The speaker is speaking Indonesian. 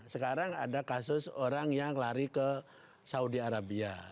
sekarang ada kasus orang yang lari ke saudi arabia